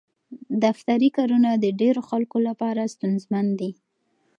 دفتري کارونه د ډېرو خلکو لپاره ستونزمن دي.